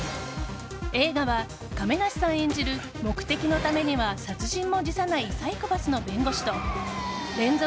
映画は亀梨さん演じる目的のためには殺人も辞さないサイコパスの弁護士と連続